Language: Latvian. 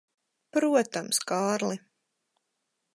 Protams, Kārli.